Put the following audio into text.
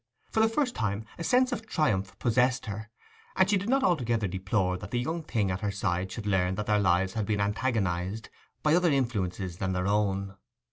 For the first time a sense of triumph possessed her, and she did not altogether deplore that the young thing at her side should learn that their lives had been antagonized by other influences than their own.